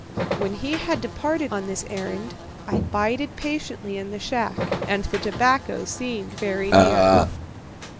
"When he had departed on this errand, I bided patiently in the shack, and the tobacco seemed very near.